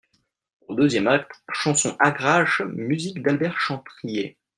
Au deuxième acte, chanson agrache, musique d’Albert Chantrier.